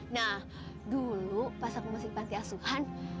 nah dulu pas aku masih bantai asuhan